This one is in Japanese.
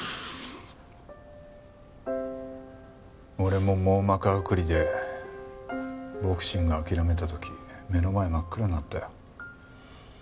俺も網膜剥離でボクシング諦めた時目の前真っ暗になったよ。